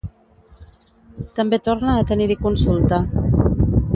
També torna a tenir-hi consulta.